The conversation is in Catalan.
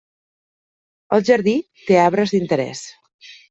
El jardí té arbres d'interès.